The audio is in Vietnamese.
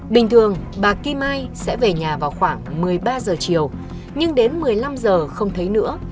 bình thường bà kim mai sẽ về nhà vào khoảng một mươi ba giờ chiều nhưng đến một mươi năm giờ không thấy nữa